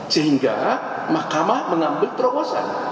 sehingga mahkamah menambut terobosan